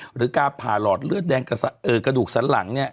หรือการผ่าหลอดเลือดแดงกระดูกสันหลังเนี่ย